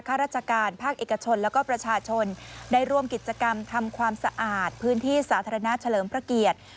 ข้าราชการภาคเอกชนแล้วก็ประชาชนได้ร่วมกิจกรรมทำความสะอาดพื้นที่สาธารณะเฉลิมพระเกียรติ